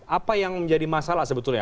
apa yang menjadi masalah sebetulnya